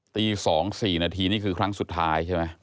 ตี๒๔นาทีนี่คือครั้งสุดท้ายใช่ไหม